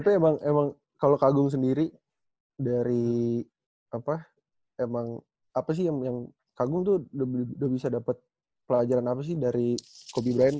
tapi emang kalo kagum sendiri dari apa emang apa sih yang kagum tuh udah bisa dapet pelajaran apa sih dari kobe bryant